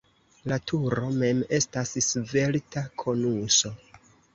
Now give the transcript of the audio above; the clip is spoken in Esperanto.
La turo mem estas svelta konuso.